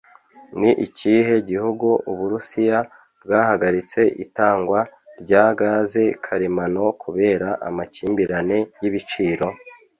Ni ikihe gihugu Uburusiya bwahagaritse itangwa rya gaze karemano kubera amakimbirane y'ibiciro?